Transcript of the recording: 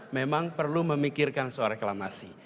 memang perlu memikirkan soal reklamasi